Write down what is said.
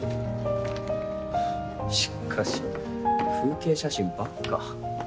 しかし風景写真ばっか。